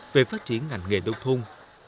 về phát triển ngành nghề nông thôn